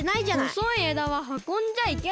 ほそいえだははこんじゃいけないの？